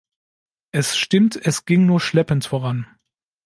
Es stimmt, es ging nur schleppend voran.